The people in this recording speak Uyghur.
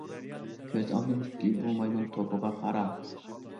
كۆز ئالدىمىزدىكى بۇ مايمۇن توپىغا قارا!